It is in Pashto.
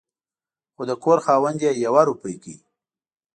خو د کور خاوند يوه روپۍ کړ